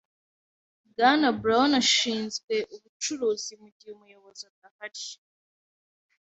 Bwana Brown ashinzwe ubucuruzi mugihe umuyobozi adahari.